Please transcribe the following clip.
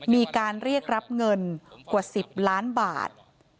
มีการเรียกรับเงินกว่า๑๐ล้านบาท